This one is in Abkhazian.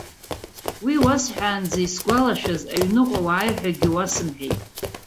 Уи уасҳәаанӡа, исгәалашәаз, аҩныҟа уааиҳәагьы уасымҳәеит.